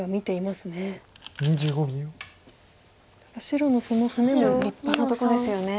白のそのハネも立派なとこですよね。